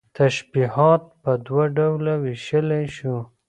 تشبيهات په دوه ډوله ويشلى شو